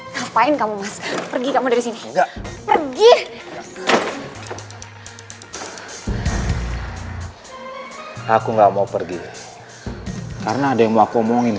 ngapain kamu pergi kamu disini nggak pergi aku nggak mau pergi karena ada yang mau ngomongin